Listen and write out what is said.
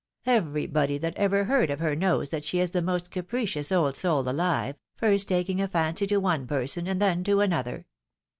Everybody that ever heard of her knows that she is the most capricious old soul alive, first taking a fancy to one person and then to another.